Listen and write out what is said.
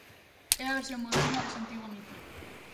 É a versión moderna dese antigo mito.